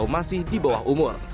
masih di bawah umur